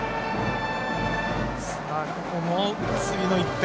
ここも次の１点。